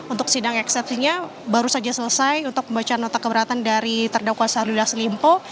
untuk sidang eksepsinya baru saja selesai untuk membaca nota keberatan dari terdakwa syahrul yassin limpo